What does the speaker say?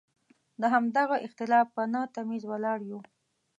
د همدغه اختلاف په نه تمیز ولاړ یو.